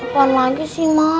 kapan lagi sih mam